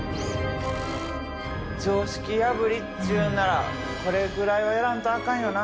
常識破りっちゅうんならこれぐらいはやらんとアカンよな。